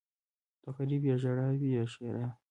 ـ د غريب يا ژړا وي يا ښېرا.